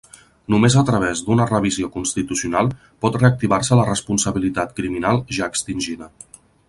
Només a través d'una revisió constitucional pot reactivar-se la responsabilitat criminal ja extingida.